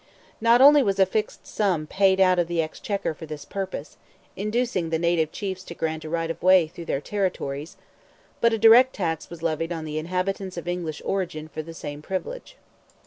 Not only was a fixed sum paid out of the Exchequer for this purpose—inducing the native chiefs to grant a right of way through their territories—but a direct tax was levied on the inhabitants of English origin for the same privilege.